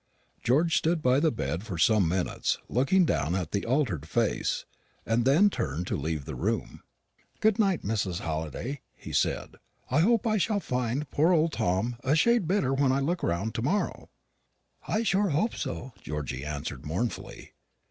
George stood by the bed for some minutes looking down at the altered face, and then turned to leave the room. "Good night, Mrs. Halliday," he said; "I hope I shall find poor old Tom a shade better when I look round to morrow." "I am sure I hope so," Georgy answered mournfully.